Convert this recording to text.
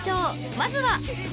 まずは。